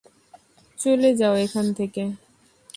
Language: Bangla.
চলে যাও এখান থেকে!